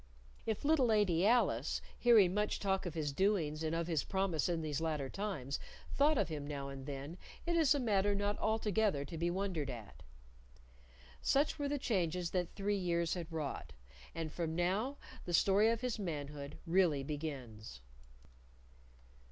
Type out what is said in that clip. If little Lady Alice, hearing much talk of his doings and of his promise in these latter times, thought of him now and then it is a matter not altogether to be wondered at. Such were the changes that three years had wrought. And from now the story of his manhood really begins.